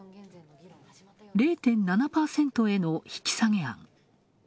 ０．７％への引き下げ案。